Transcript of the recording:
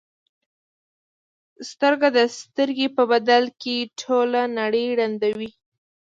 سترګه د سترګې په بدل کې ټوله نړۍ ړندوي.